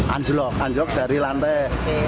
anjlok dari lantai tujuh